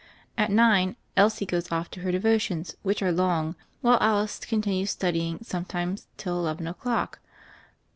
At nine Elsie goes off to her devotions, which are long, while Alice continues studying sometimes till eleven o'clock.